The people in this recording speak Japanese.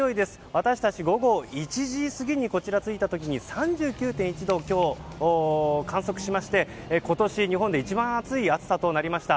私たち午後１時過ぎにこちらに着いた時に３９．１度を今日観測しまして今年日本で一番暑い暑さとなりました。